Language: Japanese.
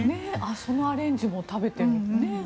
そのアレンジも食べてみたい。